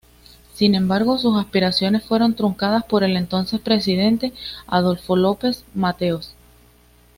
Sin embargo, sus aspiraciones fueron truncadas por el entonces presidente Adolfo López Mateos.